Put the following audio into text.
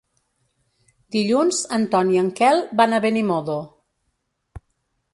Dilluns en Ton i en Quel van a Benimodo.